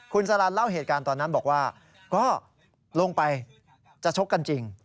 คุณสลันเล่าเหตุการณ์ตอนนั้นบอกว่าก็ลงไปจะชกกันจริง